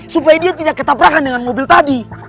supaya dia tidak ketabrakan dengan mobil tadi